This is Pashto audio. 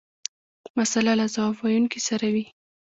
مساله له ځواب ویونکي سره وي.